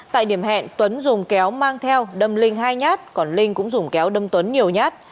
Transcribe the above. tại điểm hẹn tuấn dùng kéo mang theo đâm linh hai nhát còn linh cũng dùng kéo đâm tuấn nhiều nhát